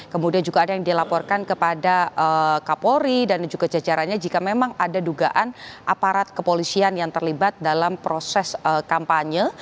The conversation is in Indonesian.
kemudian juga ada yang dilaporkan kepada kapolri dan juga jajarannya jika memang ada dugaan aparat kepolisian yang terlibat dalam proses kampanye